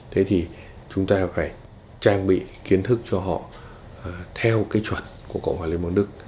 thế thì chúng ta phải trang bị kiến thức cho họ theo cái chuẩn của cộng hòa liên bang đức